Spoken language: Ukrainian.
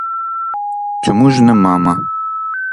Чому ж не мама?